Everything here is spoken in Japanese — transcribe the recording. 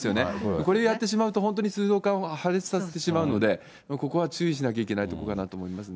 これやってしまうと本当に水道管、破裂させてしまうので、ここは注意しなきゃいけないとこかなと思いますね。